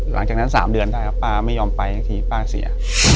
หลังจากนั้น๓เดือนได้ครับป้าไม่ยอมไปสักทีป้าเสีย